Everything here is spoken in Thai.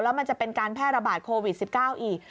แล้วมันจะเป็นการแพร่ระบาดโควิด๑๙อีก